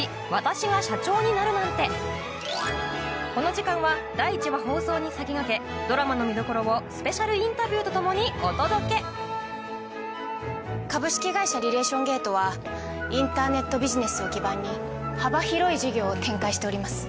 この時間は第１話放送に先駆けドラマの見どころをスペシャルインタビューとともにお届け株式会社リレーション・ゲートはインターネットビジネスを基盤に幅広い事業を展開しております。